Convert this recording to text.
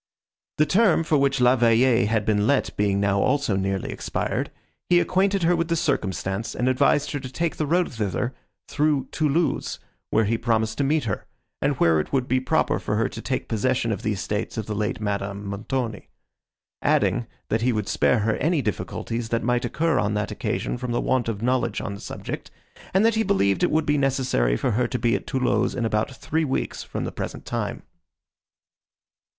The term, for which La Vallée had been let being now also nearly expired, he acquainted her with the circumstance, and advised her to take the road thither, through Thoulouse, where he promised to meet her, and where it would be proper for her to take possession of the estates of the late Madame Montoni; adding, that he would spare her any difficulties, that might occur on that occasion from the want of knowledge on the subject, and that he believed it would be necessary for her to be at Thoulouse, in about three weeks from the present time.